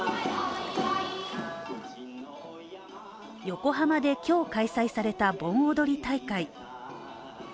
横浜で今日開催された盆踊り大会。